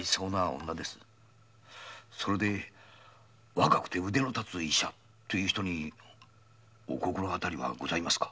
それで若くて腕のたつ医者という人に心当たりはございますか。